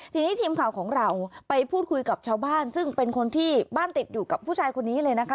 ทีนี้ทีมข่าวของเราไปพูดคุยกับชาวบ้านซึ่งเป็นคนที่บ้านติดอยู่กับผู้ชายคนนี้เลยนะคะ